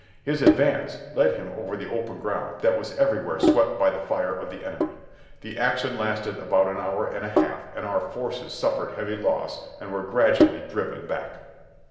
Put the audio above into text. His advance led him over the open ground that was everywhere swept by the fire of the enemy. The action lasted about an hour and a half and our forces suffered heavy loss and were gradually driven back."